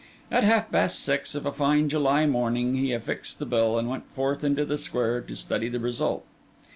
At half past six of a fine July morning, he affixed the bill, and went forth into the square to study the result.